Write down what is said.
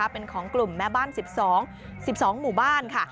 เป็นของกลุ่มแม่บ้าน๑๒๑๒หมู่บ้านค่ะ